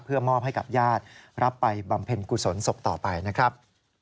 เพื่อมอบให้กับญาติรับไปบำเพ็ญกุศลศพต่อไปนะครับ